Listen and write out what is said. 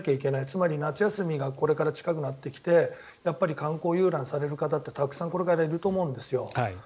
これから夏休みが近くなってきてやっぱり観光遊覧される方ってたくさんこれからいると思うんですよ。